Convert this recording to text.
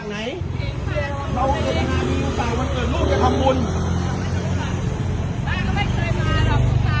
บ้านก็ไม่เคยมาหรอกคุณภาพครั้งหน้าอย่างนี้แหละ